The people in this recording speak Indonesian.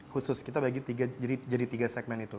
khusus kita bagi jadi tiga segmen itu